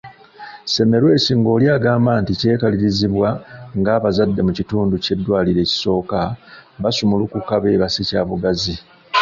Semmelwesi ng’oli agamba nti kyekalirizibbwa ng’abazadde mu kitundu ky’eddwaliro ekisooka basumulukuka beebase kyabugazi.